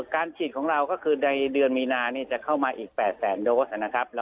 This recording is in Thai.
การฉีดของเราก็คือในเดือนมีนาจะเข้ามาอีก๘แสนโดสนะครับ